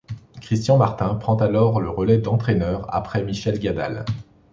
Christian Martin prend alors le relais d'entraîneur après Michel Gadal.